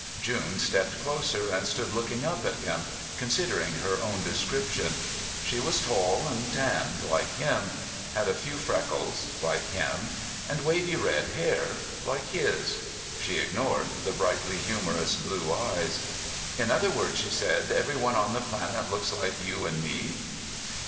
June stepped closer and stood looking up at him, considering her own description. She was tall and tanned, like him; had a few freckles, like him; and wavy red hair, like his. She ignored the brightly humorous blue eyes. "In other words," she said, "everyone on the planet looks like you and me?"